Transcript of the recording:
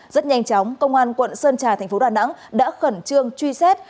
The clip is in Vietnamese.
rất nhanh chóng công an quận sơn trà thành phố đà nẵng đã khẩn trương truy xét